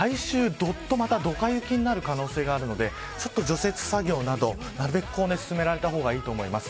どっと、ドカ雪になる可能性があるので除雪作業など、なるべく進めた方がいいと思います。